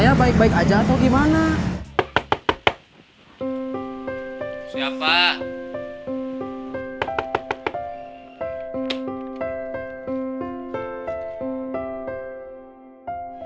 yang gak ada hubungan kan udah pisah